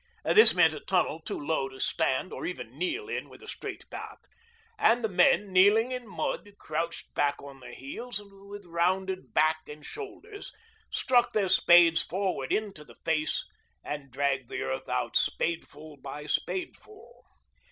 This meant a tunnel too low to stand or even kneel in with a straight back, and the men, kneeling in mud, crouched back on their heels and with rounded back and shoulders, struck their spades forward into the face and dragged the earth out spadeful by spadeful.